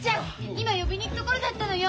今呼びに行くところだったのよ。